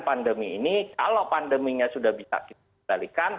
pandemi ini kalau pandeminya sudah bisa kita kendalikan